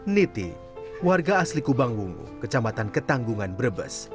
niti warga asli kubang wungu kecamatan ketanggungan brebes